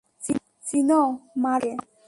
চিনো, মারো আমাকে!